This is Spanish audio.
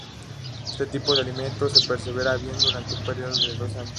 Este tipo de alimento se preserva bien durante un periodo de dos años.